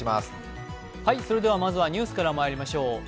まずはニュースからまいりましょう。